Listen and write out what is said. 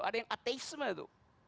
ada yang ateisme itu